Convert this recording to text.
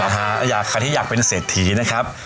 อาหารที่อยากเป็นเศรษฐีนะครับ